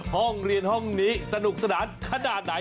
ห้องเรียนห้องนี้สนุกสนานขนาดไหน